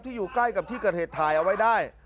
อยู่ใกล้กับที่เกิดเหตุถ่ายเอาไว้ได้